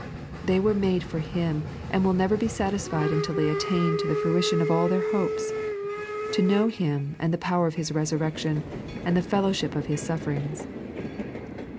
They were made for Him, and will never be satisfied until they attain to the fruition of all their hopes, to know Him, and the power of His resurrection, and the fellowship of His sufferings.